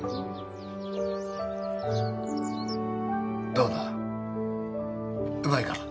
どうだうまいか？